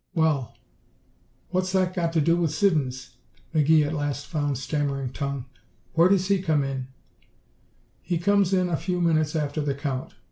"Well what's that to do with with Siddons?" McGee at last found stammering tongue. "Where does he come in?" "He comes in a few minutes after the Count.